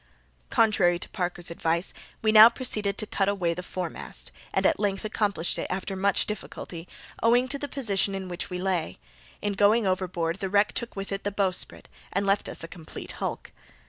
Contrary to Parker's advice, we now proceeded to cut away the foremast, and at length accomplished it after much difficulty, owing to the position in which we lay. In going overboard the wreck took with it the bowsprit, and left us a complete hulk.